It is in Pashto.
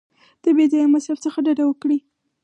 د بې ځایه مصرف څخه ډډه وکړئ.